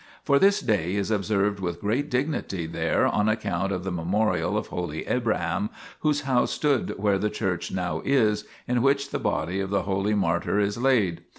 For this day is observed with great dignity there on account of the memorial of holy Abraham, whose house stood where the church now is, in which the body of the holy martyr is laid.